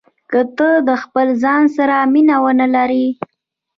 که ته د خپل ځان سره مینه ونه لرې.